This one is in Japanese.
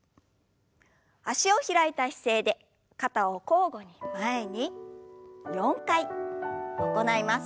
脚を開いた姿勢で肩を交互に前に４回行います。